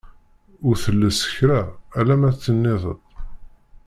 Ur telles kra, alamma tenniḍ-d!